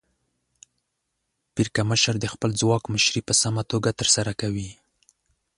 پرکمشر د خپل ځواک مشري په سمه توګه ترسره کوي.